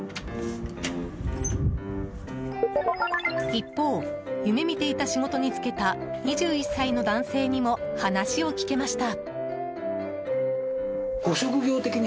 一方、夢見ていた仕事に就けた２１歳の男性にも話を聞けました。